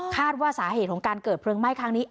ว่าสาเหตุของการเกิดเพลิงไหม้ครั้งนี้